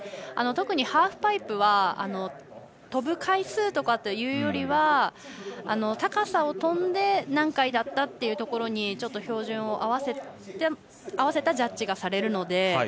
特にハーフパイプはとぶ回数とかよりは高さをとんで何回だったというところに照準を合わせたジャッジがされるので。